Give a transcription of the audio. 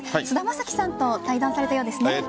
菅田将暉さんと対談されたようですね。